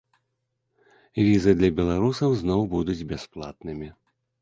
Візы для беларусаў зноў будуць бясплатнымі.